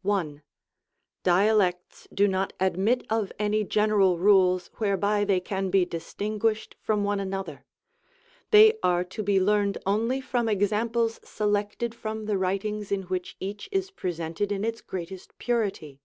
1. Dialects do not admit of any general mles, whereby they can be distinguished from one another. They are to be learned only from examples selected from the writings in which each is presented in its greatest purity.